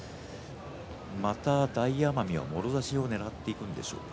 また大奄美はもろ差しをねらっていくんでしょうか？